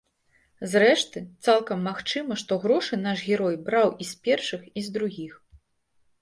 Зрэшты, цалкам магчыма, што грошы наш герой браў і з першых, і з другіх.